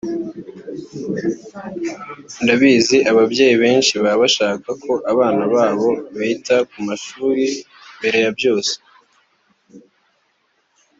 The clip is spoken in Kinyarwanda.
“Ndabizi ababyeyi benshi baba bashaka ko abana babo bita ku mashuri mbere ya byose